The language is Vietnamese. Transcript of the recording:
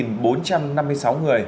làm chết một bốn trăm năm mươi sáu người